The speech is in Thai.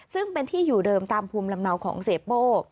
ซึ่งเป็นที่อยู่เดิมตามภูมิลำเนาของเสียโป้